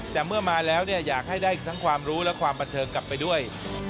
แต่เมื่อมาแล้วอยากให้ได้ทั้งความรู้และความบันเทิงกลับไปด้วย